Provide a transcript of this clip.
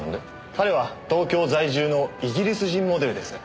彼は東京在住のイギリス人モデルです。